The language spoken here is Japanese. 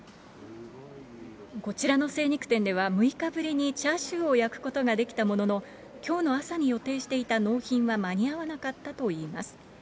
こちらの精肉店では、６日ぶりにチャーシューを焼くことができたものの、きょうの朝に予定していた納品は間に合わなかったといいます。